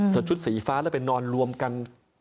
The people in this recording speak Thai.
ชุดสีฟ้าแล้วไปนอนรวมกัน